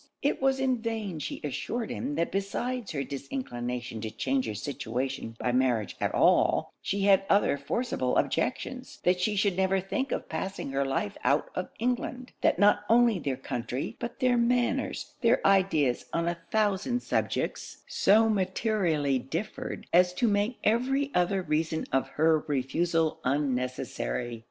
It was in vain she assured him that besides her disinclination to change her situation by marriage at all, she had other forcible objections; that she should never think of passing her life out of England; that not only their country, but their manners, their ideas on a thousand subjects, so materially differed, as to make every other reason of her refusal unnecessary.